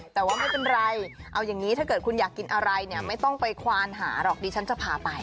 แต่ว่าไม่เป็นไรเอาอย่างนี้ถ้าเกิดคุณอยากกินอะไรเนี่ยไม่ต้องไปควานหาหรอกดิฉันจะพาไป